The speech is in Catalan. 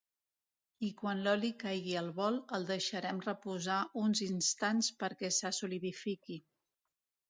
I quan l'oli caigui al bol, el deixarem reposar uns instants perquè se solidifiqui.